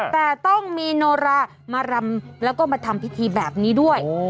แต่ต้องมีโนรามารำแล้วก็มาทำพิธีแบบนี้ด้วย